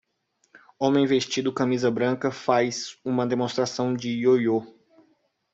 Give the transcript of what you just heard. Homem vestindo camisa branca faz uma demonstração de yoyo.